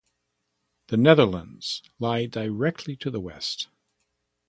The Netherlands lie directly to the west.